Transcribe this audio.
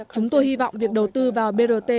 chúng tôi hy vọng việc đầu tư vào brt